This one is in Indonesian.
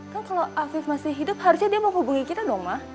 kan kalau afif masih hidup harusnya dia mau hubungi kita dong ma